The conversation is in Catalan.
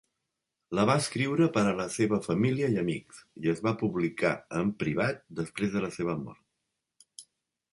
La va escriure per a la seva família i amics, i es va publicar en privat després de la seva mort.